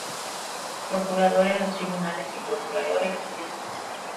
Procurador en los Tribunales y Procurador eclesiástico.